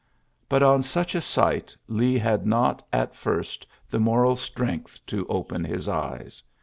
But on such a sight Lee had not at first the moral strength to open his eyes.